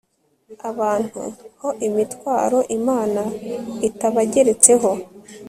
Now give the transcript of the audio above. abantu ho imitwaro imana itabageretseho